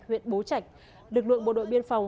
huyện bố trạch lực lượng bộ đội biên phòng